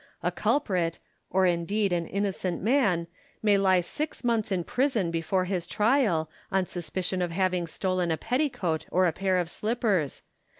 A culprit, or indeed an innocent man, may lie six months in prison before his trial, on suspicion of having stolen a petticoat or pair of slippers.